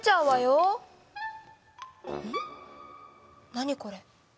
何これ？